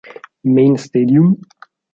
Main Stadium